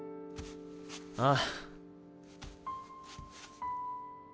ああ。